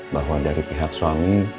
bahwa dari pihak suami